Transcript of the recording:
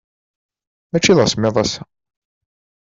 Mačči d asemmiḍ ass-a.